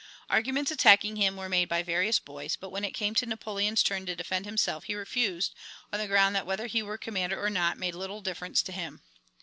Arguments attacking him were made by various boys, but when it came to Napoleon's turn to defend himself he refused, on the ground that whether he were commander or not made little difference to him.